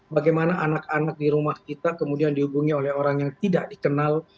bagaimana anak anak di rumah kita kemudian dihubungi oleh orang yang tidak dikenal